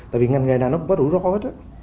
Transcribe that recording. tại vì ngành nghề này nó cũng có rủ rõ hết